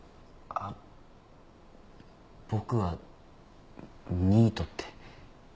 僕は「ニート」って。